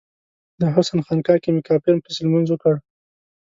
د حسن خانقا کې می کافر پسې لمونځ وکړ